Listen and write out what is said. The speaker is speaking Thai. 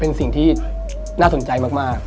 เป็นสิ่งที่น่าสนใจมาก